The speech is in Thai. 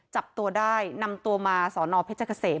จับตัวได้นำตัวมาสอนอเพชรเกษม